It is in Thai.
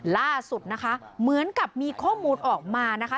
ล่าสุดนะคะเหมือนกับมีข้อมูลออกมานะคะ